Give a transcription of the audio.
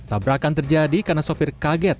tabrakan terjadi karena sopir kaget